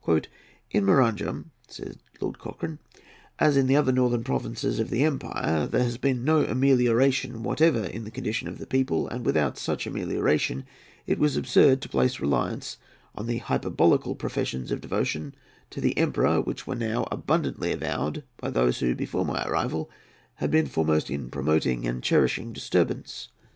"In Maranham," said Lord Cochrane, "as in the other northern provinces of the empire, there had been no amelioration whatever in the condition of the people, and, without such amelioration, it was absurd to place reliance on the hyperbolical professions of devotion to the Emperor which were now abundantly avowed by those who, before my arrival, had been foremost in promoting and cherishing disturbance.